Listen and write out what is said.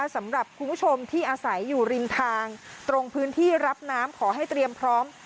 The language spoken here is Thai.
สำหรับคุณผู้ชมที่อาศัยอยู่ริมทางตรงพื้นที่รับน้ำขอให้เตรียมพร้อม